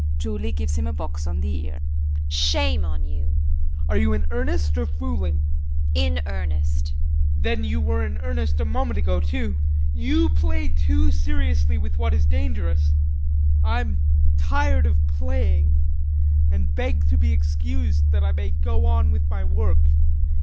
] JULIE [Gives him a box on the ear]. Shame on you. JEAN. Are you in earnest, or fooling? JULIE. In earnest. JEAN. Then you were in earnest a moment ago, too. You play too seriously with what is dangerous. Now I'm tired of playing and beg to be excused that I may go on with my work.